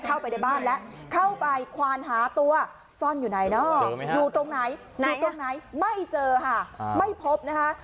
เข้าไปในบ้านแล้วเข้าไปควานหาตัวซ่อนอยู่ไหนเนอะอยู่ตรงไหนอยู่ตรงไหนไม่เจอค่ะไม่พบนะคะ